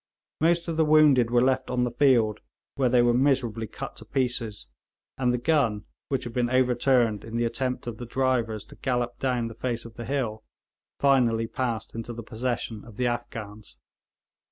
Most of the wounded were left on the field, where they were miserably cut to pieces; and the gun, which had been overturned in the attempt of the drivers to gallop down the face of the hill, finally passed into the possession of the Afghans.